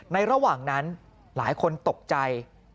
ระหว่างนั้นหลายคนตกใจ